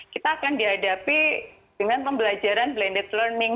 kita akan dihadapi dengan pembelajaran blended learning